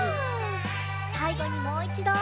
さいごにもういちど。